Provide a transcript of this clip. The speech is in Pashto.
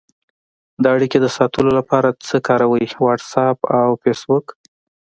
د اړیکې د ساتلو لاره څه کاروئ؟ واټساپ او فیسبوک